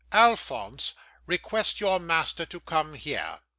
'Alphonse, request your master to come here.